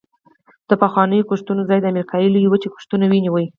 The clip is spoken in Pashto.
د پخوانیو کښتونو ځای د امریکا لویې وچې کښتونو ونیو